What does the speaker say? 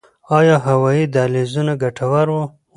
آیا هوایي دهلیزونه ګټور وو؟